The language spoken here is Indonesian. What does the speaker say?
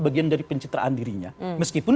bagian dari pencitraan dirinya meskipun